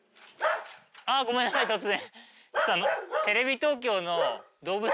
あごめんなさい突然。